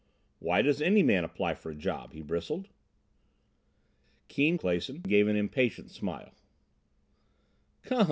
"Why does any man apply for a job?" he bristled. Keane Clason gave an impatient smile. "Come!"